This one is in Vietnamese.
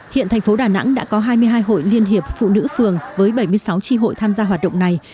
hiện thành phố đà nẵng đã có hai mươi hai hội liên hiệp phụ nữ phường với bảy mươi sáu tri hội tham gia hoạt động này